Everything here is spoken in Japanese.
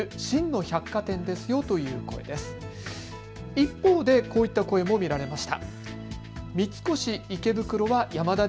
一方でこういった声も見られました。